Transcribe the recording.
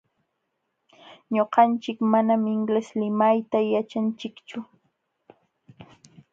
Ñuqanchik manam inglés limayta yaćhanchikchu.